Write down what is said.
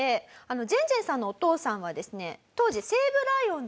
ジェンジェンさんのお父さんはですね